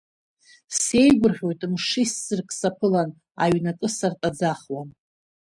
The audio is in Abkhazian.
Сеигәырӷьоит мшы ссирк саԥылан, аҩны акы сартәаӡахуам.